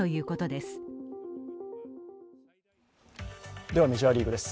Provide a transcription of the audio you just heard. ではメジャーリーグです。